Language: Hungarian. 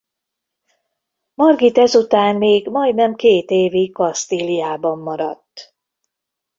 Margit ezután még majdnem két évig Kasztíliában maradt.